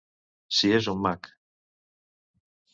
Si és un mag...